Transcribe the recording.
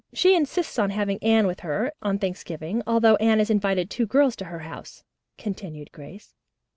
She insists on having Anne with her on Thanksgiving, although Anne had invited two girls to her house," continued Grace.